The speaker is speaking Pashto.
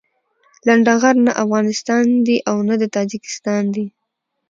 لنډغر نه افغانستان دي او نه د تاجيکستان دي.